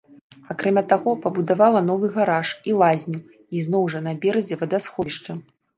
Акрамя таго, пабудавала новы гараж і лазню, ізноў жа, на беразе вадасховішча.